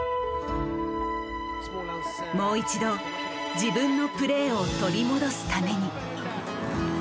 もう一度自分のプレーを取り戻すために。